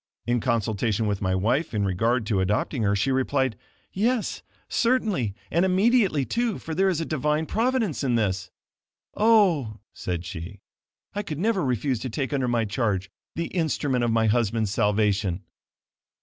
In consultation with my wife in regard to adopting her, she replied, "Yes, certainly, and immediately, too, for there is a Divine providence in this. Oh," said she, "I could never refuse to take under my charge the instrument of my husband's salvation."